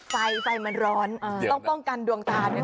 ไฟไฟมันร้อนต้องป้องกันดวงตานะ